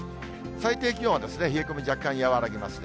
最低気温はですね、冷え込み、若干和らぎますね。